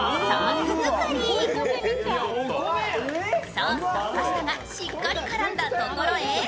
ソースとパスタがしっかり絡んだところへ